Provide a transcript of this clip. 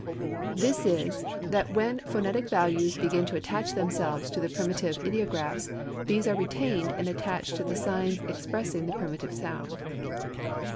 This is, that when phonetic values begin to attach themselves to the primitive ideographs, these are retained and attached to the signs expressing the primitive sound.